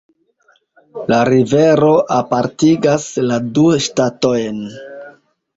La rivero apartigas la du ŝtatojn.